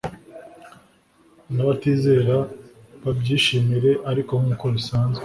nabatizera babyishimire Ariko nkuko bisanzwe